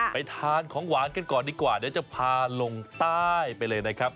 ไปทานของหวานกันก่อนดีกว่าเดี๋ยวจะพาลงใต้ไปเลยนะครับ